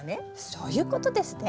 そういうことですね。